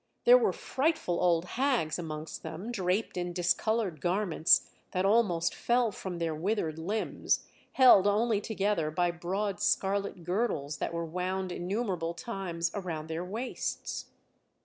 There were frightful old hags amongst them draped in discoloured garments that almost fell from their withered limbs, held only together by broad scarlet girdles that were wound innumerable times around their waists.